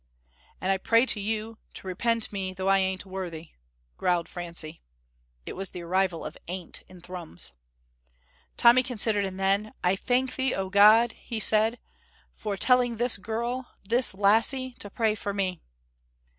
"And I pray to you to repent me, though I ain't worthy," growled Francie. (It was the arrival of ain't in Thrums.) Tommy considered, and then: "I thank Thee, O God," he said, "for telling this girl this lassie to pray for me."